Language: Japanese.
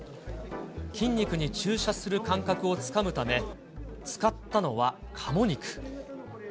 筋肉に注射する感覚をつかむため、使ったのはカモ肉。